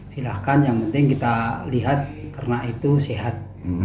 silahkan yang penting kita lihat ternak itu sehat